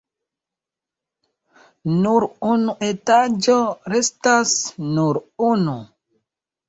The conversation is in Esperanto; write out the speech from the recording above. Nur unu etaĝo restas! Nur unu.